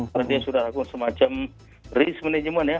maksudnya sudah lakukan semacam risk management ya